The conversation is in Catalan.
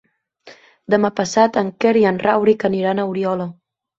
Demà passat en Quer i en Rauric aniran a Oriola.